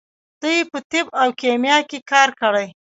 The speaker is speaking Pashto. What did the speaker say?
دوی په طب او کیمیا کې کار کړی.